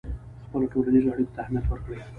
خپلو ټولنیزو اړیکو ته اهمیت ورکړئ.